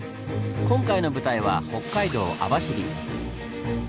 今回の舞台は北海道網走。